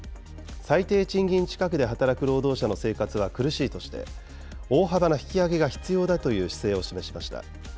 最低賃金近くで働く労働者の生活は苦しいとして、大幅な引き上げが必要だという姿勢を示しました。